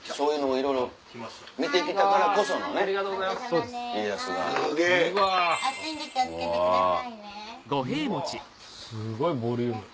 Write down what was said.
うわすごいボリューム。